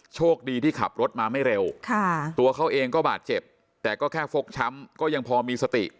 โชคดีที่ขับรถมาไม่เร็วตัวเขาเองก็บาดเจ็บแต่ก็แค่ฟกช้ำก็ยังพอมีสติ